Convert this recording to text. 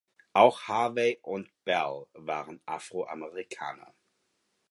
Auch Harvey und Bell waren Afroamerikaner.